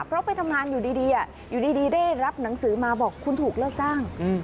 เพราะไปทำงานอยู่ดีอยู่ดีได้รับหนังสือมาบอกคุณถูกเลิกจ้าง